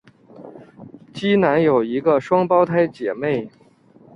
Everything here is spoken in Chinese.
基南有一个双胞胎姊妹。